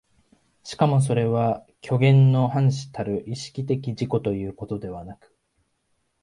しかもそれは虚幻の伴子たる意識的自己ということではなく、